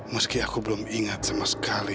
meski aku belum ingat sama sekali